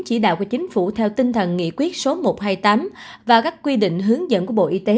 chỉ đạo của chính phủ theo tinh thần nghị quyết số một trăm hai mươi tám và các quy định hướng dẫn của bộ y tế